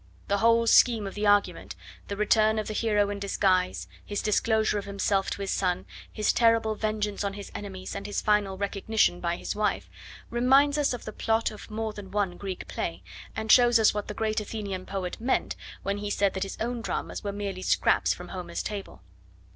The whole scheme of the argument, the return of the hero in disguise, his disclosure of himself to his son, his terrible vengeance on his enemies and his final recognition by his wife, reminds us of the plot of more than one Greek play, and shows us what the great Athenian poet meant when he said that his own dramas were merely scraps from Homer's table.